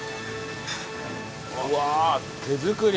うわ手作り！